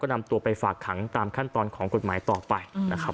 นำตัวไปฝากขังตามขั้นตอนของกฎหมายต่อไปนะครับ